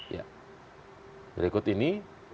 ya berikut ini